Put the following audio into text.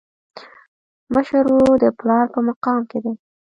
مشر ورور د پلار په مقام کي دی.